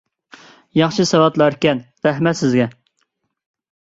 ياخشى ساۋاتلار ئىكەن، رەھمەت سىزگە!